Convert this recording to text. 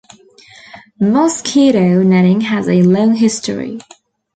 Mosquito netting has a long history.